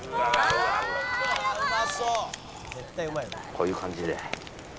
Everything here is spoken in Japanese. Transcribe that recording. こういう感じで。